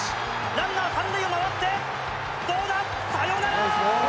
ランナー３塁を回ってどうだサヨナラ！